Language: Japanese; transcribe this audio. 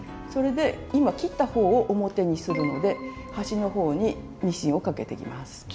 それで今切った方を表にするので端の方にミシンをかけていきます。